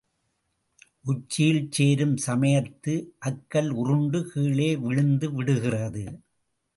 உச்சியில் சேருஞ் சமயத்து அக்கல் உருண்டு கீழே விழுந்து விடுகிறது.